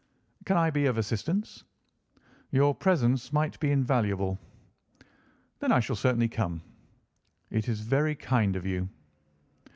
"Can I be of assistance?" "Your presence might be invaluable." "Then I shall certainly come." "It is very kind of you."